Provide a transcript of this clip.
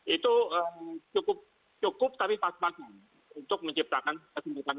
itu cukup tapi pas pasan untuk menciptakan kesempatan